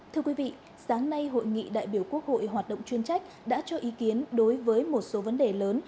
thưa quý vị sáng nay hội nghị đại biểu quốc hội hoạt động chuyên trách đã cho ý kiến đối với một số vấn đề lớn